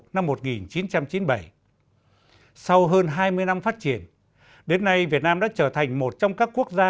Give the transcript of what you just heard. năm một nghìn chín trăm chín mươi bảy sau hơn hai mươi năm phát triển đến nay việt nam đã trở thành một trong các quốc gia